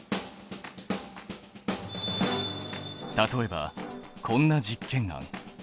例えばこんな実験案。